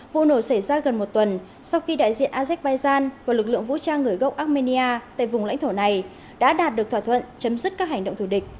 vụ nổ xảy ra gần một tuần sau khi đại diện azerbaijan và lực lượng vũ trang người gốc armenia tại vùng lãnh thổ này đã đạt được thỏa thuận chấm dứt các hành động thù địch